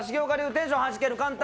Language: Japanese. テンションハジける簡単！